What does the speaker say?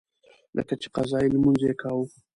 لکه چې قضایي لمونځ یې کاوه.